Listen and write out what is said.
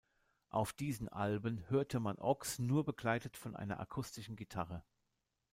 Auf diesen Alben hörte man Ochs nur begleitet von einer akustischen Gitarre.